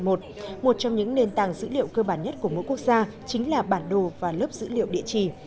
một trong những nền tảng dữ liệu cơ bản nhất của mỗi quốc gia chính là bản đồ và lớp dữ liệu địa chỉ